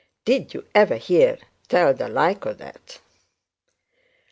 Did you ever hear tell the like o' that?'